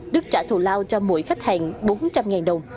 đức trả thù lao cho mỗi khách hàng bốn trăm linh đồng